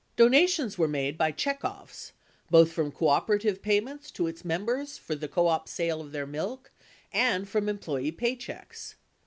Donations were made by checkoffs — both from cooperative payments to its members for the co op's sale of their milk and from employee paychecks.